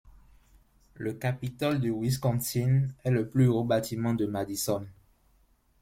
Le Capitole du Wisconsin est le plus haut bâtiment de Madison.